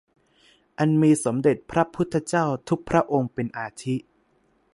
อันมีสมเด็จพระพุทธเจ้าทุกพระองค์เป็นอาทิ